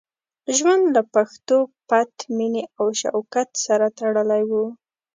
ژوند له پښتو، پت، مینې او شوکت سره تړلی وو.